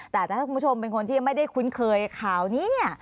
แต่ถ้าคุณผู้ชมเป็นคนที่ไม่ได้คุ้นเคยข่าวนี้เนี่ย